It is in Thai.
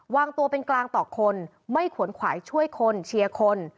วางตัวเป็นกลางต่อคนไม่ขวนขวายช่วยคนเชียร์คน